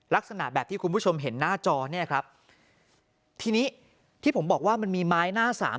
ลักษณะแบบที่คุณผู้ชมเห็นหน้าจอเนี่ยครับทีนี้ที่ผมบอกว่ามันมีไม้หน้าสาม